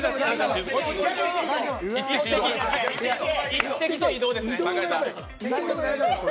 １滴と移動ですね。